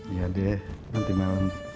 iya deh nanti malem